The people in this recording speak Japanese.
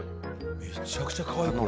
めちゃくちゃかわいいこれ。